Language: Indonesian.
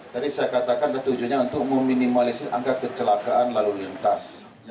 jadi saya katakan tujuannya untuk meminimalisir angka kecelakaan lalu lintas